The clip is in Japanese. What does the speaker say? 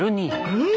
うん！